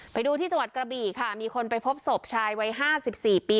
ไปดูที่จังหวัดกระบีค่ะมีคนไปพบศพชายวัยห้าสิบสี่ปี